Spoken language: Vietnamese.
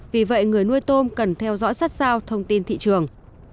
vì vậy người nuôi tôm cần theo dõi sát sao thông tin thị trường